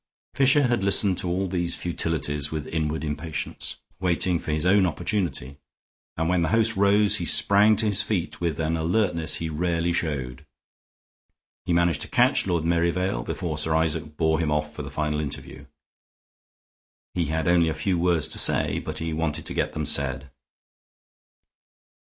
Fisher had listened to all these futilities with inward impatience, waiting for his own opportunity, and when the host rose he sprang to his feet with an alertness he rarely showed. He managed to catch Lord Merivale before Sir Isaac bore him off for the final interview. He had only a few words to say, but he wanted to get them said.